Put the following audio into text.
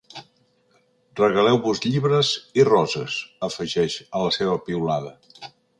Regaleu-vos llibres i roses, afegeix a la seva piulada.